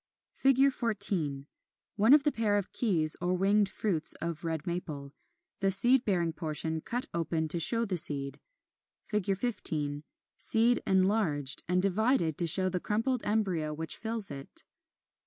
[Illustration: Fig. 14. One of the pair of keys or winged fruits of Red Maple; the seed bearing portion cut open to show the seed. 15. Seed enlarged, and divided to show the crumpled embryo which fills it.